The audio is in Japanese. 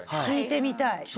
聴いてみたい。